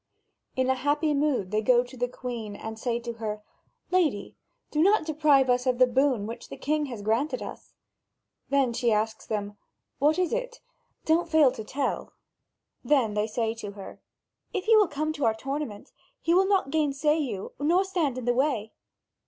In happy mood they go to the Queen and say to her: "Lady, do not deprive us of the boon which the King has granted us." Then she asks them: "What is that? Don't fail to tell!" Then they say to her: "If you will come to our tournament, he will not gainsay you nor stand in the way."